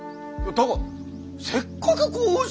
だがせっかくこうして。